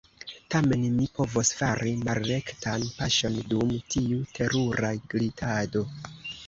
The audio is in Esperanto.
Tamen, mi povos fari malrektan paŝon dum tiu terura glitado.